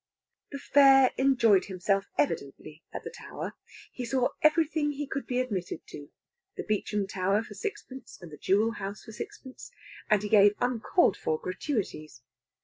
The fare enjoyed himself evidently at the Tower. He saw everything he could be admitted to the Beauchamp Tower for sixpence, and the Jewel house for sixpence. And he gave uncalled for gratuities.